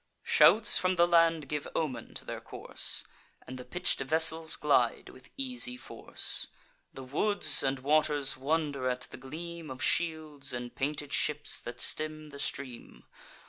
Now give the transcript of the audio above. Shouts from the land give omen to their course, And the pitch'd vessels glide with easy force. The woods and waters wonder at the gleam Of shields, and painted ships that stem the stream.